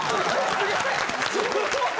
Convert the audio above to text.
すごい！